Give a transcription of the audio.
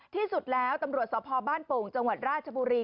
ที่สุดแล้วตำรวจสพบ้านโป่งจังหวัดราชบุรี